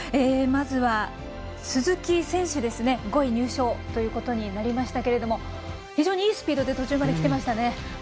まずは鈴木選手５位入賞ということになりましたけれども非常にいいスピードで途中まできていましたね。